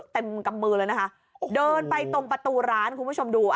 กำมือเลยนะคะเดินไปตรงประตูร้านคุณผู้ชมดูอ่ะ